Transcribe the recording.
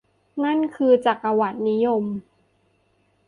นั่นคือ จักรวรรดินิยม